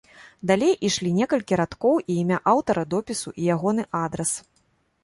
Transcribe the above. Далей ішлі некалькі радкоў і імя аўтара допісу і ягоны адрас.